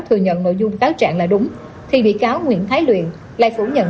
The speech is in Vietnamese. thừa nhận nội dung cáo trạng là đúng thì bị cáo nguyễn thái luyện lại phủ nhận